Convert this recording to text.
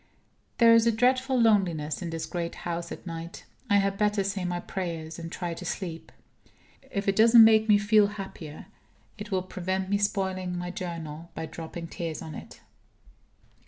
There is a dreadful loneliness in this great house at night. I had better say my prayers, and try to sleep. If it doesn't make me feel happier, it will prevent me spoiling my Journal by dropping tears on it.